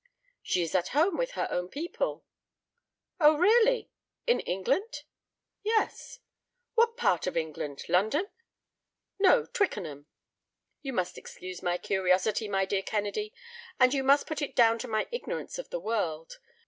"She is at home with her own people." "Oh, really—in England?" "Yes." "What part of England—London?" "No, Twickenham." "You must excuse my curiosity, my dear Kennedy, and you must put it down to my ignorance of the world.